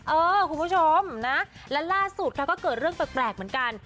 เออคุณผู้ชมนะและล่าสุดค่ะก็เกิดเรื่องแปลกเหมือนกัน